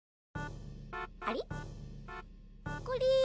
あれ？